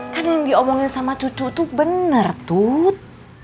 kan yang diomongin sama cucu tuh bener tuh